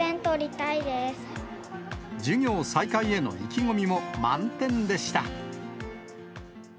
授業再開への意気込みも満点でした。